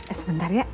eh sebentar ya